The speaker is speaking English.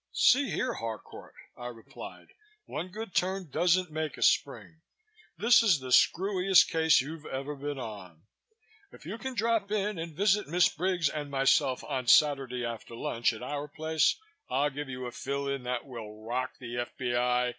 "See here, Harcourt," I replied. "One good turn doesn't make a spring. This is the screwiest case you've ever been on. If you can drop in and visit Miss Briggs and myself on Saturday after lunch at our place, I'll give you a fill in that will rock the F.B.I.